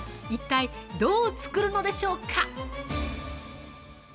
一体どう作るのでしょうか。